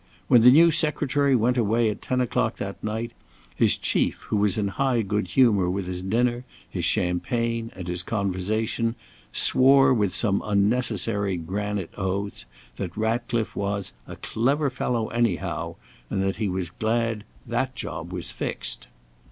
When the new Secretary went away at ten o'clock that night, his chief; who was in high good humour with his dinner, his champagne, and his conversation, swore with some unnecessary granite oaths, that Ratcliffe was "a clever fellow anyhow," and he was glad "that job was fixed."